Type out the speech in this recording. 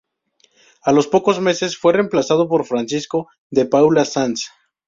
A los pocos meses fue reemplazado por Francisco de Paula Sanz.